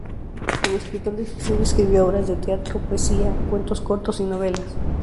Como escritor de ficción, escribió obras de teatro, poesía, cuentos cortos y novelas.